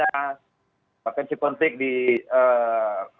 dan juga konflik konflik di indonesia